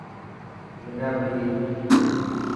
منا ڀهي.